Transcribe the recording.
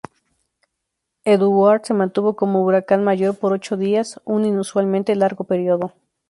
Edouard se mantuvo como huracán mayor por ocho días un inusualmente largo período.